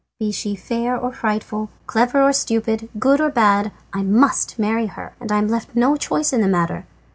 Be she fair or frightful, clever or stupid, good or bad, I must marry her, and am left no choice in the matter.